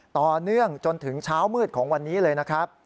ต่อเนื่องจนถึงเช้ามืดของวันนี้เลยนะครับ